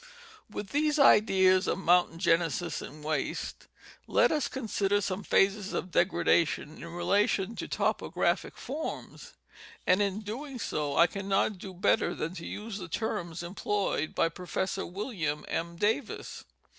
With these ideas of mountain genesis and waste, let us con sider some phases of degradation in relation to topographic forms ; and in doing so I cannot do better than to use the terms employed by Prof. Wm. M. Davis.